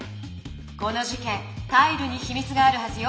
この事けんタイルにひみつがあるはずよ。